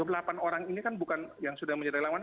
dua puluh delapan orang ini kan bukan yang sudah menyerai lawan